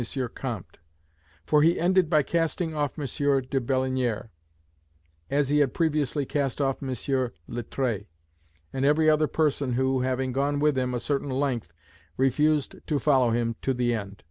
Comte. For he ended by casting off M. de Blignières, as he had previously cast off M. Littré, and every other person who, having gone with him a certain length, refused to follow him to the end.